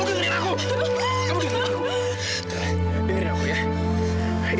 dengerin aku ya